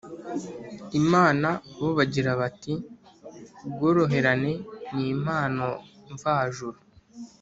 imana bo bagira bati : «ubworoherane ni impano mvajuru».